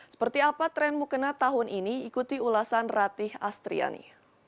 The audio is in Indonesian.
seperti apa tren mukena tahun ini ikuti ulasan ratih astriani